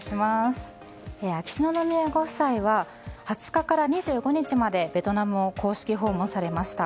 秋篠宮ご夫妻は２０日から２５日までベトナムを公式訪問されました。